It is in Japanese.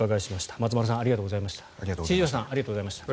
松丸さん、千々岩さんありがとうございました。